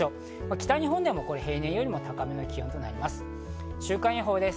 北日本でも平年より高めの気温となります。